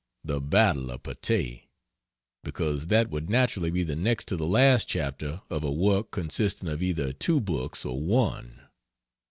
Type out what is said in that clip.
the battle of Patay. Because that would naturally be the next to the last chapter of a work consisting of either two books or one.